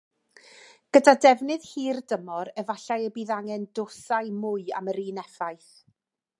Gyda defnydd hirdymor efallai y bydd angen dosau mwy am yr un effaith.